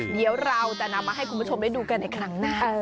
เดี๋ยวเราจะนำมาให้คุณผู้ชมได้ดูกันอีกครั้งหน้า